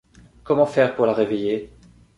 Comment faire pour la réveiller?